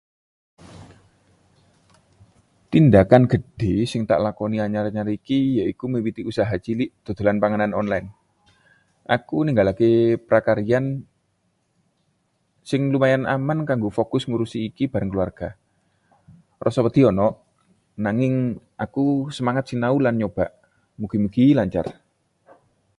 Tindhakan gedhe sing tak lakoni anyar-anyar iki yaiku miwiti usaha cilik dodolan panganan online. Aku ninggalke pakaryan sing lumayan aman kanggo fokus ngurusi iki bareng keluarga. Rasa wedi ana, nanging aku semangat sinau lan nyoba. mugi-mugi lancar.